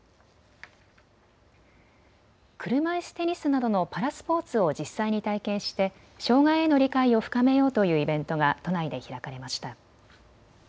車いすテニスなどのパラスポーツを実際に体験して障害への理解を深めようというイベントが都内で開かれました。